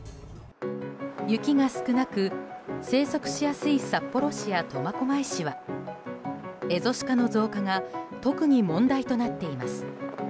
雪が少なく生息しやすい札幌市や苫小牧市はエゾシカの増加が特に問題となっています。